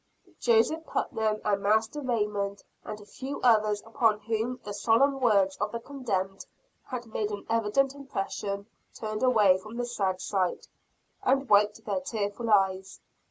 Joseph Putnam and Master Raymond, and a few others upon whom the solemn words of the condemned had made an evident impression, turned away from the sad sight, and wiped their tearful eyes.